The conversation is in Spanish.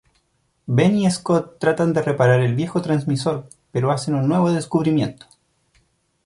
Ben y Scott tratan de reparar el viejo transmisor pero hacen un nuevo descubrimiento.